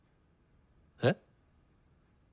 えっ？